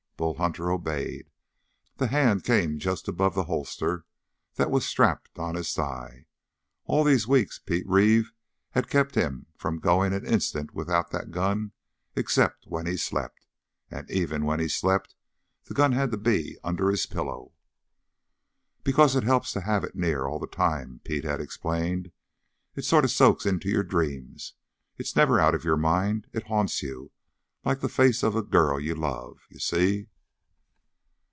Bull Hunter obeyed. The hand came just above the holster that was strapped on his thigh. All these weeks Pete Reeve had kept him from going an instant without that gun except when he slept. And even when he slept the gun had to be under his pillow. "Because it helps to have it near all the time," Pete had explained. "It sort of soaks into your dreams. It's never out of your mind. It haunts you, like the face of the girl you love. You see!"